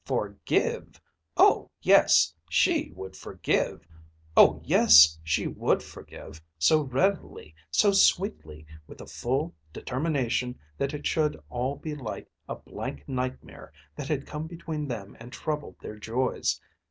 Forgive! Oh yes; she would forgive! Oh yes; she would forgive, so readily, so sweetly, with the full determination that it should all be like a blank nightmare that had come between them and troubled their joys.